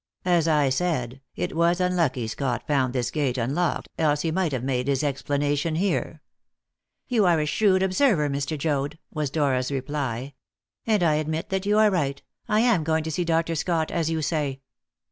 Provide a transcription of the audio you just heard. As I said, it was unlucky Scott found this gate unlocked, else he might have made his explanation here." "You are a shrewd observer, Mr. Joad," was Dora's reply; "and I admit that you are right. I am going to see Dr. Scott, as you say."